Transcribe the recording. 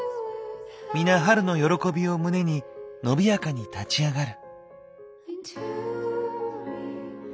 みな春の喜びを胸に伸びやかに立ち上がる。